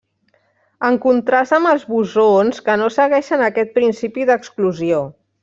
En contrast amb els bosons, que no segueixen aquest principi d'exclusió.